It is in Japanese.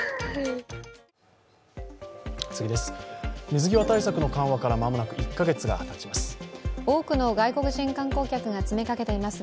水際対策の緩和から間もなく１か月がたちます。